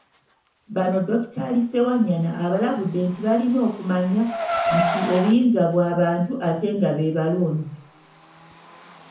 Bano Dokitaali Ssewanyana abalabudde nti balina okumanya nti obuyinza bw'abantu ate nga be balonzi.